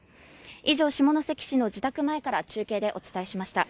以上、下関市の自宅前から中継でお伝えしました。